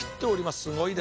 すごいですね。